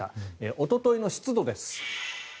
おとといの湿度です。